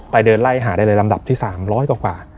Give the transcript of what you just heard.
เดินไล่หาได้เลยลำดับที่๓๐๐กว่า